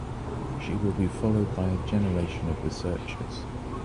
She will be followed by a generation of researchers.